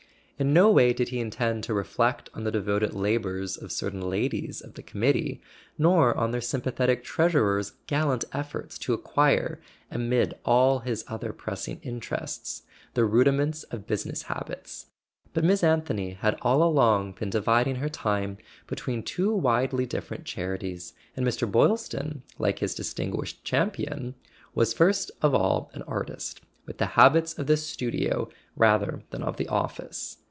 In no way did he intend to reflect on the devoted labours of certain ladies of the committee, nor on their sympathetic treasurer's gallant efforts to acquire, amid all his other pressing interests, the rudi¬ ments of business habits; but Miss xlnthony had all along been dividing her time between two widely dif¬ ferent charities, and Mr. Boylston, like his distin¬ guished champion, was first of all an artist, with the habits of the studio rather than of the office.